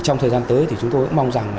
trong thời gian tới chúng tôi cũng mong rằng